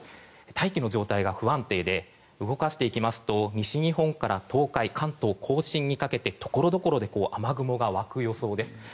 大気の状態が不安定で動かしていくと西日本から東海関東・甲信にかけてところどころで雨雲が湧く予想です。